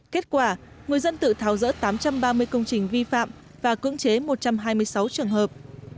kết quả người dân tự tháo rỡ tám trăm ba mươi công trình vi phạm và cưỡng chế một trăm hai mươi sáu trường hợp